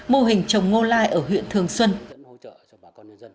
mô hình trồng ngô lai ở huyện thường xuân